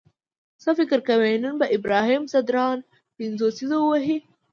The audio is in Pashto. څه فکر کوئ نن به ابراهیم ځدراڼ پنځوسیزه ووهي؟